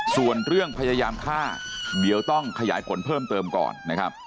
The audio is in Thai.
ส่วนเรื่องพยายามฆ่าเดี๋ยวต้องขยายผลเพิ่มเติมก่อนนะครับ